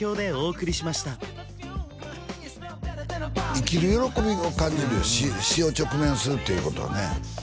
生きる喜びを感じるよ死を直面するっていうことはね